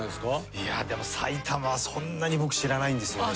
いやでもさいたまはそんなに僕知らないんですよね